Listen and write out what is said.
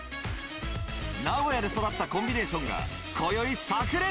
名古屋で育ったコンビネーションがこよい、さく裂。